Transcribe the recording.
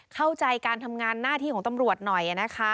เข้าใจการทำงานหน้าที่ของตำรวจหน่อยนะคะ